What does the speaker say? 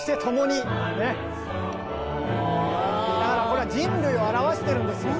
これは人類を表してるんですよ。